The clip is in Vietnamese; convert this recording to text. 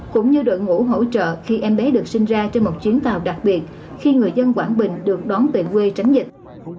cũng như đội ngũ hỗ trợ khi em bé được sinh ra trên một chuyến tàu đặc biệt khi người dân quảng bình được đón về quê tránh dịch